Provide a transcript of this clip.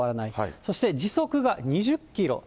そして時速が２０キロ。